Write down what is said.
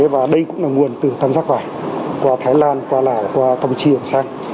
và đây cũng là nguồn từ tâm giác vải qua thái lan qua lào qua tâm triệp sang